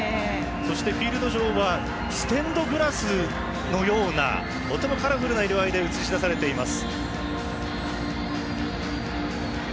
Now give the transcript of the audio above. そして、フィールド上はステンドグラスのようなとてもカラフルな色合いで映し出されています。